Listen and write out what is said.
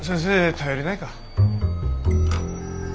頼りないか。